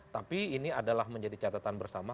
tapi ini adalah menjadi catatan bersama